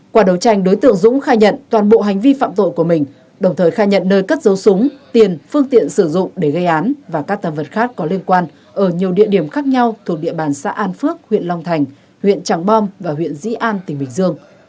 qua đấu tranh đối tượng dũng khai nhận toàn bộ hành vi phạm tội của mình đồng thời khai nhận nơi cất dấu súng tiền phương tiện sử dụng để gây án và các tầm vật khác có liên quan ở nhiều địa điểm khác nhau thuộc địa bàn xã an phước huyện long thành huyện tràng bom và huyện dĩ an tỉnh bình dương